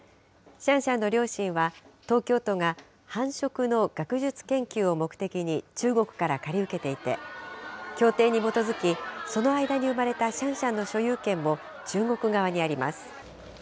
シャンシャンの両親は、東京都が繁殖の学術研究を目的に中国から借り受けていて、協定に基づき、その間に生まれたシャンシャンの所有権も中国側にあります。